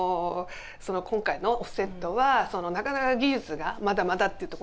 今回のオフセットはなかなか技術がまだまだっていうところ。